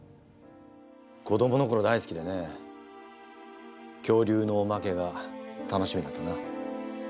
子どもの頃大好きでね恐竜のおまけが楽しみだったな。